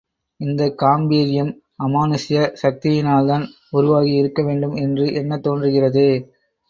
இந்தக் காம்பீர்யம் அமானுஷ்ய சக்தியினால்தான் உருவாகி இருக்க வேண்டும் என்றும் எண்ணத் தோன்றுகிறதே!